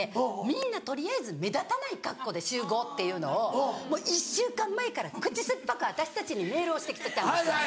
みんな取りあえず目立たない格好で集合っていうのをもう１週間前から口酸っぱく私たちにメールをしてきてたんです。